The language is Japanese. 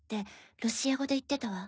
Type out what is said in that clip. ロシア語で言ってたわ。